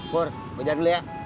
pur gue jalan dulu ya